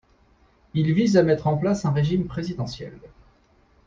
Il vise à mettre en place un régime présidentiel.